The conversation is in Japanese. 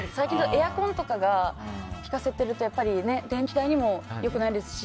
エアコンとかが効かせてると電気代にも良くないですし。